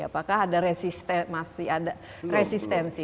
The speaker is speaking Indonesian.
apakah ada resistensi